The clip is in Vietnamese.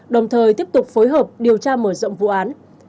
đồng thời tiếp tục phối hợp điều tra mở rộng vụ án